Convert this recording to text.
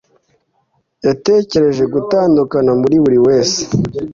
Yatekereje gutandukana muri buri wese